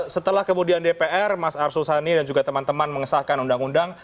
setelah kemudian dpr mas arsul sani dan juga teman teman mengesahkan undang undang